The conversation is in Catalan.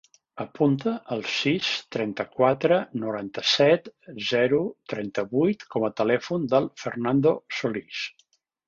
Apunta el sis, trenta-quatre, noranta-set, zero, trenta-vuit com a telèfon del Fernando Solis.